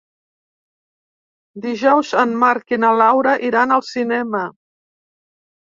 Dijous en Marc i na Laura iran al cinema.